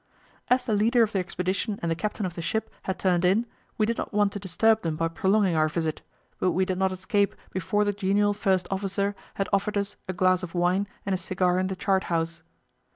As the leader of the expedition and the captain of the ship had turned in, we did not want to disturb them by prolonging our visit; but we did not escape before the genial first officer had offered us a glass of wine and a cigar in the chart house.